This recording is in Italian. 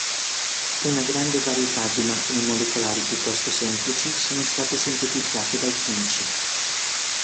Una grande varietà di macchine molecolari piuttosto semplici sono state sintetizzate dai chimici.